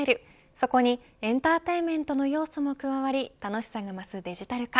そこにエンターテインメントの要素も加わり楽しさが増すデジタル化。